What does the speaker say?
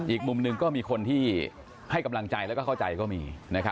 อีกมุมหนึ่งก็มีคนที่ให้กำลังใจแล้วก็เข้าใจก็มี